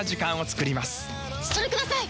それください！